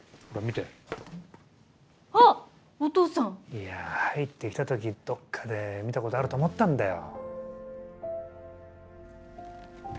いやぁ入ってきた時どっかで見たことあると思ったんだよ。